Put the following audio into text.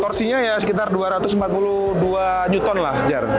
torsinya ya sekitar dua ratus empat puluh dua nt lah jar